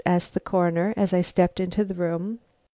asked the Coroner, as I stepped into the room.